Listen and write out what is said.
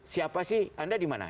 siapa sih anda di mana